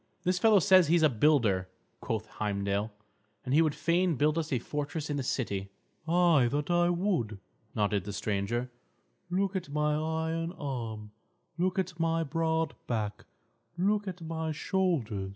"This fellow says he is a builder," quoth Heimdal. "And he would fain build us a fortress in the city." "Ay, that I would," nodded the stranger, "Look at my iron arm; look at my broad back; look at my shoulders.